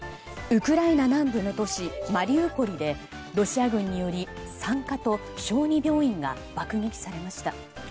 ウクライナ南部の都市マリウポリでロシア軍により産科と小児病院が爆撃されました。